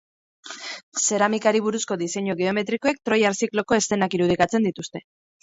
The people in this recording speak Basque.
Zeramikari buruzko diseinu geometrikoek troiar zikloko eszenak irudikatzen dituzte.